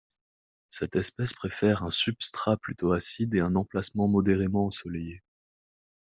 Cette espèce préfère un substrat plutôt acide et un emplacement modérément ensoleillé.